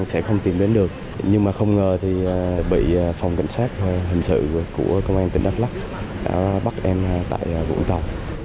sẽ không tìm đến được nhưng mà không ngờ thì bị phòng cảnh sát hình sự của công an tỉnh đắk lắc đã bắt em tại vũng tàu